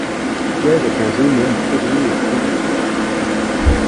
Pierre est un jeune homme sérieux et posé.